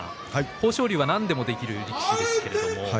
豊昇龍は何でもできる力士です。